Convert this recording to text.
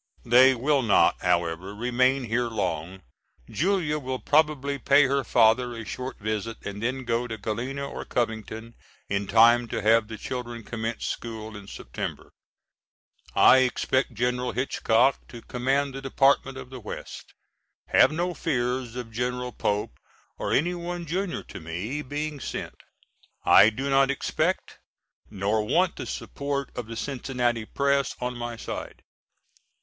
They will not, however, remain here long. Julia will probably pay her father a short visit and then go to Galena or Covington in time to have the children commence school in September. I expect General Hitchcock to command the Department of the West. Have no fears of General Pope or any one junior to me being sent. I do not expect nor want the support of the Cincinnati press on my side.